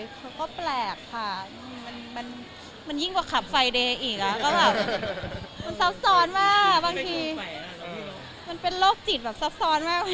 มันก็แปลกค่ะมันยิ่งกว่าคลับไฟเดย์อีกมันซับซ้อนมากมันเป็นโลกจิตซับซ้อนมาก